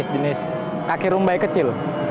jenis kaki rumbai kecil